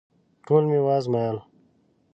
ټوله مي وازمایل …